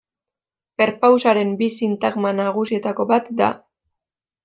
Perpausaren bi sintagma nagusietako bat da.